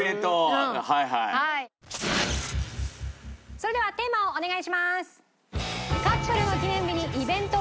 それではテーマをお願いします。